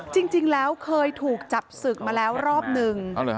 จริงแล้วเคยถูกจับศึกมาแล้วรอบนึง